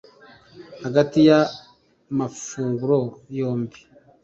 hagati ya mafunguro yombi